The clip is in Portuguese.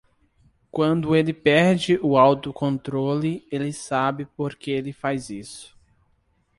Quando ele perde o autocontrole, ele sabe por que ele faz isso.